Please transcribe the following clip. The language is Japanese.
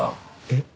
えっ？